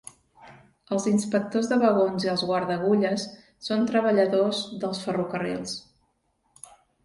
Els inspectors de vagons i els guardaagulles són treballadors dels ferrocarrils.